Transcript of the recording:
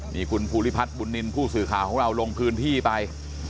นี่คุณภูริพัฒน์บุญนินทร์ผู้สื่อข่าวของเราลงพื้นที่ไป